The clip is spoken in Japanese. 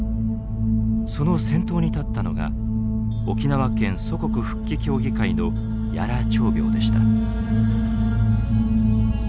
その先頭に立ったのが沖縄県祖国復帰協議会の屋良朝苗でした。